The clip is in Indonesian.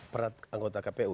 perat anggota kpu